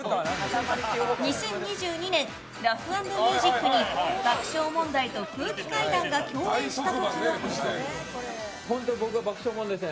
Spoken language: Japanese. ２０２２年「ラフ＆ミュージック」に爆笑問題と空気階段が共演した時のこと。